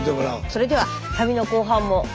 それでは旅の後半もせの。